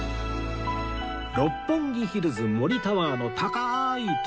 六本木ヒルズ森タワーの高い所